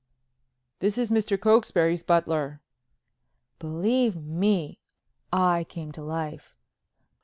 "This is Mr. Cokesbury's butler——" Believe me, I came to life.